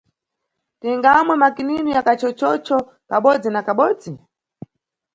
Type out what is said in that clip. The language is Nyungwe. Tingamwe makininu ya kachocho kabodzi na kabodzi.